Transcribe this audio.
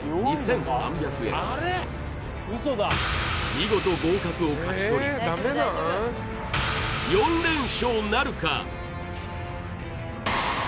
見事合格を勝ち取り４連勝なるか？